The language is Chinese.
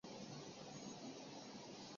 姚兴实行的各项措施与他有密切的关系。